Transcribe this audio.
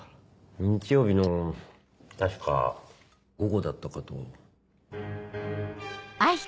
日曜日の確か午後だったかと。